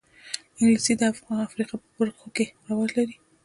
انګلیسي د افریقا په برخو کې رواج لري